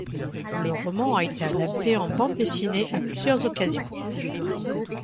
Le roman a été adapté en bande dessinée à plusieurs occasions.